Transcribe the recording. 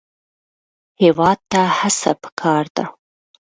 هېواد ته هڅه پکار ده